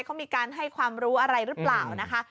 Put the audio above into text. เขามีการให้ความรู้อะไรหรือเปล่านะคะ